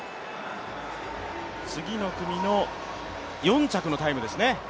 次の組の４着のタイムですね